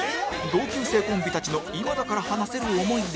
同級生コンビたちの今だから話せる思い出